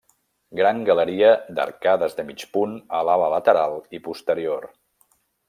Gran galeria d'arcades de mig punt a l'ala lateral i posterior.